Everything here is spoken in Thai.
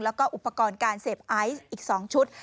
แล้วก็อุปกรณ์การเสพไอซ์อีก๒ชุด